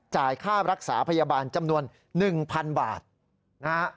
จ่ายค่ารักษาพยาบาลจำนวน๑๐๐๐บาทนะฮะ